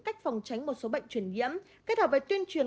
cách phòng tránh một số bệnh truyền nhiễm kết hợp với tuyên truyền